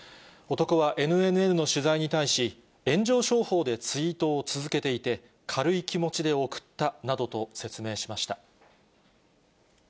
男はＮＮＮの取材に対し、炎上商法でツイートを続けていて、軽い気持ちで送ったなどと説明しました。